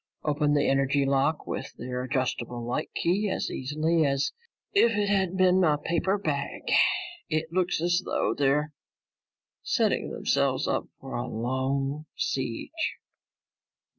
Opened the energy lock with their adjustable light key as easily as if it had been a paper bag. It looks as though they're setting themselves up for a long siege."